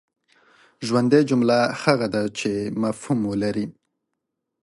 ژوندۍ جمله هغه ده چي مفهوم ولري.